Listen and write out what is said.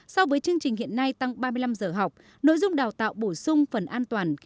so với chương trình hiện nay tăng ba mươi năm giờ học nội dung đào tạo bổ sung phần an toàn